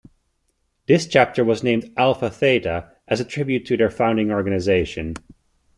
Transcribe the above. This chapter was named Alpha Theta as a tribute to their founding organization.